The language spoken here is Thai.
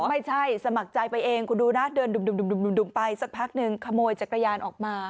ไม่ใช่สมัครใจไปเองคุณดูนะเดินดุ่มไปสักพักหนึ่งขโมยจักรยานออกมา